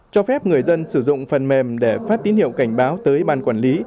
cho phép người dân sử dụng phần mềm để phát tín hiệu cảnh báo tới ban quản lý